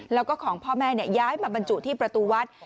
แล้วก็ของพ่อแม่ย้ายมาบรรจุที่ประตูวัด